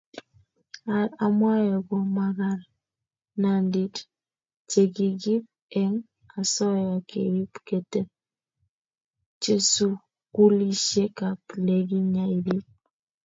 are amwae ko makarnandit chekikiip eng osoya keip ketechesukulisiek ak lekinyae pik